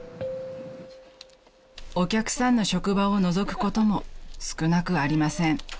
［お客さんの職場をのぞくことも少なくありません］